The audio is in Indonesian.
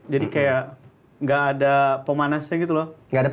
jadi kayak gak ada pemanasnya gitu loh